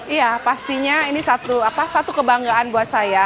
iya pastinya ini satu kebanggaan buat saya